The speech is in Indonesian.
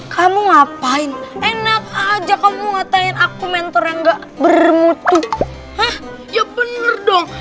kamu ngapain enak aja kamu ngatain aku mentor yang gak bermutu ya bener dong